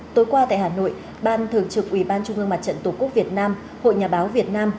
tối qua tại hà nội ban thường trực ubnd tqvn hội nhà báo việt nam